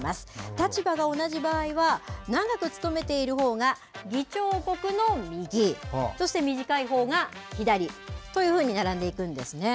立場が同じ場合は、長く務めているほうが議長国の右、そして短いほうが左というふうに並んでいくんですね。